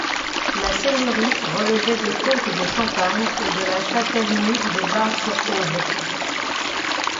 La seigneurie relevait des comtes de Champagne et de la chastellenie de Bar-sur-Aube.